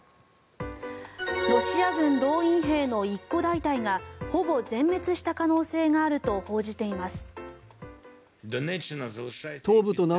ロシア軍動員兵の１個大隊がほぼ全滅した可能性があると報じています。